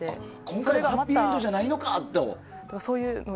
今回はハッピーエンドじゃないのかと。